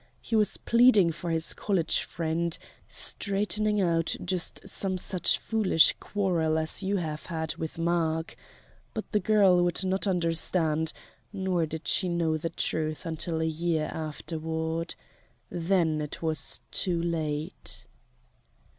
He was pleading for his college friend straightening out just some such foolish quarrel as you have had with Mark but the girl would not understand; nor did she know the truth until a year afterward. Then it was too late."